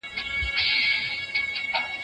که څوک خوشاله وي، خندا پخپله پیدا کېږي.